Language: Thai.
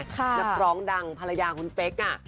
นักร้องดังภรรยาคุณเป๊ก